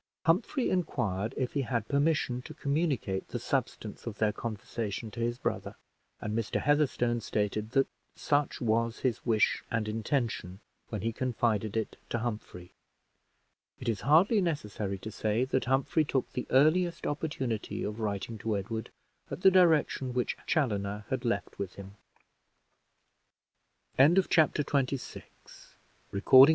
Humphrey inquired if he had permission to communicate the substance of their conversation to his brother, and Mr. Heatherstone stated that such was his wish and intention when he confided it to Humphrey. It is hardly necessary to say that Humphrey took the earliest opportunity of writing to Edward at the direction which Chaloner had left with him. CHAPTER XXVII. But we must follow Edward for a time.